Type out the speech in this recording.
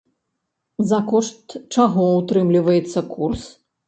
За кошт чаго ўтрымліваецца курс?